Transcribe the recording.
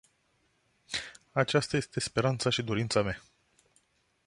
Aceasta este speranța și dorința mea.